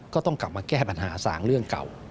ก็ต้องกลับมาแก้ปัญหาสางเรื่องเก่า